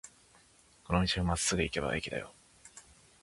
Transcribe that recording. この道をまっすぐ行けば駅だよ。